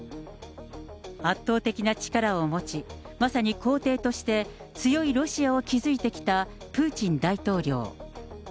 圧倒的な力を持ち、まさに皇帝として、強いロシアを築いてきたプーチン大統領。